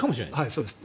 そうです。